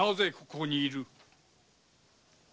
ここにいる！